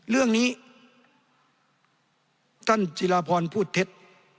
เรื่องนี้ท่านจิลาพรพูดเท็จ